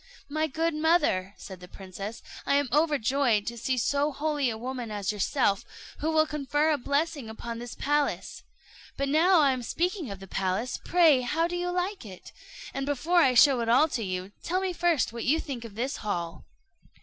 "My good mother," said the princess, "I am overjoyed to see so holy a woman as yourself, who will confer a blessing upon this palace. But now I am speaking of the palace, pray how do you like it? And before I show it all to you, tell me first what you think of this hall."